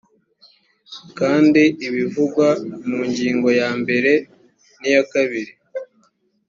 kandi ibivugwa mu ngingo ya mbere n’iya kabiri